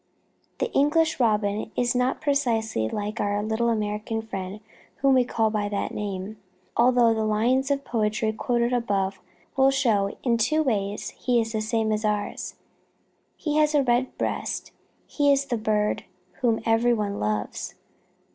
The English Robin is not precisely like our little American friend whom we call by that name, although, as the lines of poetry quoted above will show, in two ways he is the same as ours: he has a red breast, and he is the bird whom every one loves.